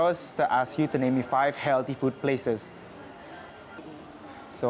jadi saya merasa industri sehat di indonesia sekitar dua tahun lagi tren tren di luar negara